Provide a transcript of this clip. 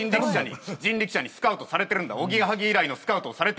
おぎやはぎ以来のスカウトをされてるんだ俺は。